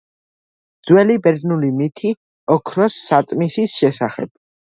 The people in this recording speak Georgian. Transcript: ძველი ბერძნული მითი "ოქროს საწმისის" შესახებ